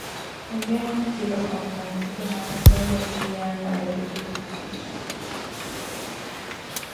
ni vyema kupika kwa mda mfupi matembele ili yawe na virutubisho